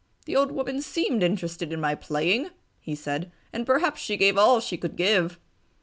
"The old woman seemed interested in my playing!" he said, "And perhaps she gave all she could give!"